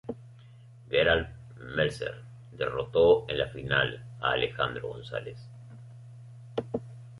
Gerald Melzer derrotó en la final a Alejandro González.